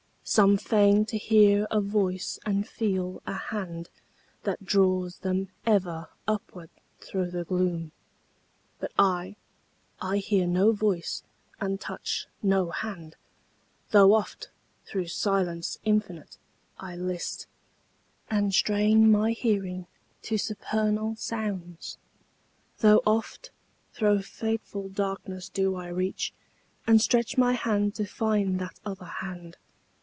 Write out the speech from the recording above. Some feign to hear a voice and feel a hand That draws them ever upward thro' the gloom. But I I hear no voice and touch no hand, Tho' oft thro' silence infinite I list, And strain my hearing to supernal sounds; Tho' oft thro' fateful darkness do I reach, And stretch my hand to find that other hand.